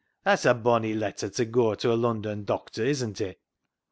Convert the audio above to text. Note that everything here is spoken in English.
That's a bonny letter to goa to a Lun don doctor, isn't it